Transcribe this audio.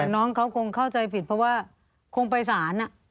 แต่น้องเขาคงเข้าใจผิดเพราะว่าคงไปสาร